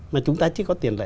mà chúng ta chỉ có tiền lệ